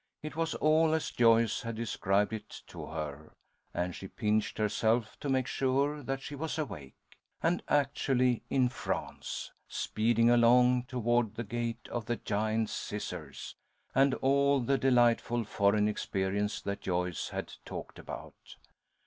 It was all as Joyce had described it to her, and she pinched herself to make sure that she was awake, and actually in France, speeding along toward the Gate of the Giant Scissors, and all the delightful foreign experience that Joyce had talked about.